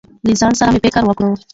له ځان سره مې فکر وکړ.